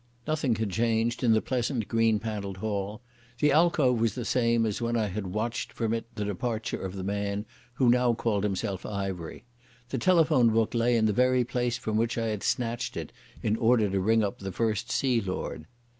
Nothing had changed in the pleasant green panelled hall; the alcove was the same as when I had watched from it the departure of the man who now called himself Ivery; the telephone book lay in the very place from which I had snatched it in order to ring up the First Sea Lord.